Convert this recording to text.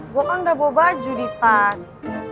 gue kan udah bawa baju di tas